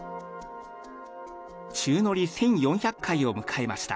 宙乗り１４００回を迎えました。